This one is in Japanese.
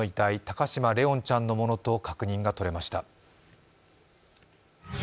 高嶋怜音ちゃんのものと確認がとれました。